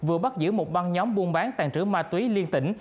ông bắt giữ một băng nhóm buôn bán tàn trứ ma túy liên tỉnh